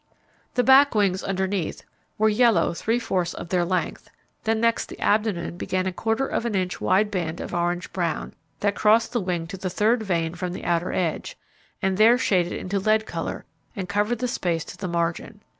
The back wings underneath were yellow three fourths of their length, then next the abdomen began a quarter of an inch wide band of orange brown, that crossed the wing to the third vein from the outer edge, and there shaded into lead colour, and covered the space to the margin.